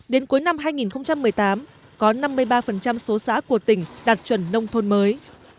đến cuối năm hai nghìn một mươi tám có năm mươi ba số xã của tỉnh đạt chuẩn nông thôn mới